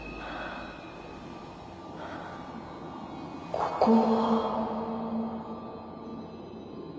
ここは？